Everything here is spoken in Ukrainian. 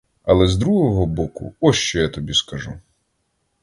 Але, з другого боку, ось що я тобі скажу.